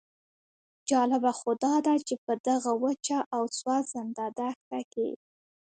جالبه خو داده چې په دغه وچه او سوځنده دښته کې.